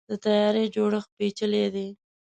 د طیارې جوړښت پیچلی دی.